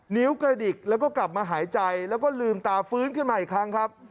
นิ้วกระดิกแล้วก็กลับมาหายใจแล้วก็ลืมตาฟื้นขึ้นมาอีกครั้งครับ